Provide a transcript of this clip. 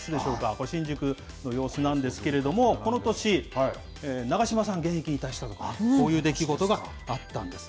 これ、新宿の様子なんですけれども、この年、長嶋さん、現役引退したとか、こういう出来事があったんです。